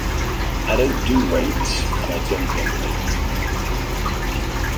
I don't do rapes, and I don't get raped.